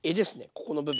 ここの部分。